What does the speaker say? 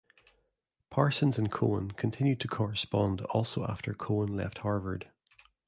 Parsons and Cohen continued to correspond also after Cohen left Harvard.